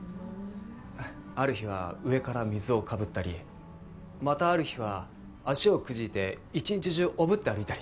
ある日は上から水をかぶったりまたある日は足をくじいて１日中おぶって歩いたり。